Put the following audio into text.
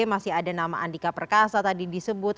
masih ada nama andika perkasa tadi disebut